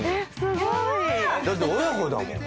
だって親子だもん。